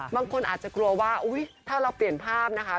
บางคนอาจจะกลัวว่าถ้าเราเปลี่ยนภาพนะคะ